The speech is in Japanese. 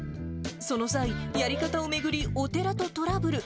その際、やり方を巡り、お寺とトラブル。